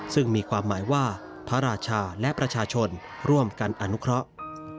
ซึ่งมีความหมายว่าพระราชาและประชาชนร่วมกันอนุเคราะห์